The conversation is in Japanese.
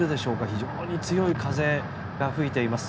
非常に強い風が吹いています。